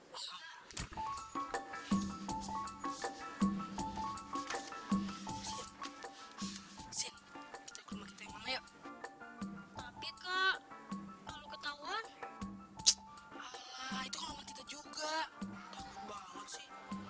aku cuma mau berhenti mengganggu fatimah lagi